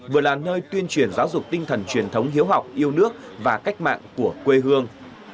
vừa là nơi tuyên truyền giáo dục tinh thần truyền thống hiếu học yêu nước và cách mạng của quê hương